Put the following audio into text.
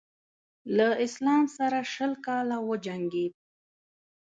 له اسلام سره شل کاله وجنګېد.